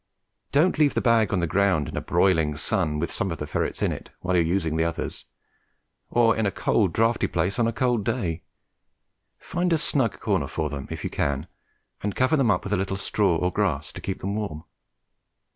Don't leave the bag on the ground in a broiling sun with some of the ferrets in it while you are using the others, or in a cold draughty place on a cold day; find a snug corner for them, if you can, and cover them up with a little straw or grass to keep them warm.